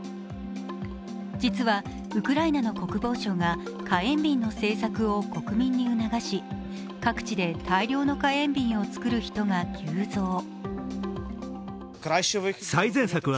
実はウクライナの国防省が火炎瓶の制作を国民に促し各地で大量の火炎瓶を作る人が急増。